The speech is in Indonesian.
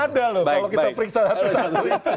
ada loh kalau kita periksa satu satu